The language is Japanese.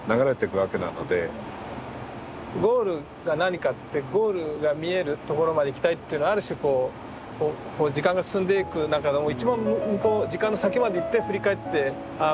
ゴールが何かってゴールが見えるところまで行きたいっていうのはある種時間が進んでいく一番向こう時間の先まで行って振り返ってああ